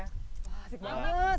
wah seru banget